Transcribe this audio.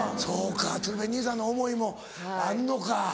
そうか鶴瓶兄さんの思いもあんのか。